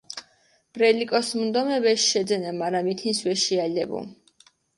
ბრელი კოს მუნდომებ, ეში შეძენა, მარა მითინს ვეშიალებუ.